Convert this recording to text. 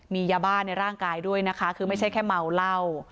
มียาบ้าในร่างกายด้วยนะคะคือไม่ใช่แค่เมาเหล้า